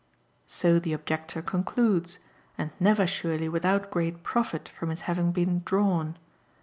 So the objector concludes, and never surely without great profit from his having been "drawn."